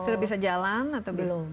sudah bisa jalan atau belum